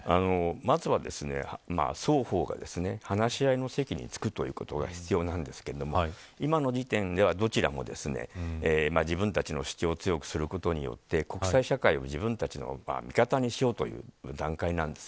まずは双方が話し合いの席につくということが必要なんですが今の時点ではどちらも自分たちの主張を強くすることによって国際社会を自分たちの味方にしようという段階です。